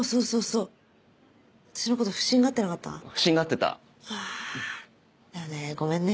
うわだよねごめんね。